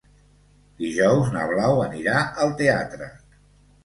Dijous na Blau anirà al teatre.